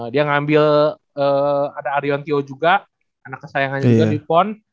dia ngambil ada arion tio juga anak kesayangannya juga di pon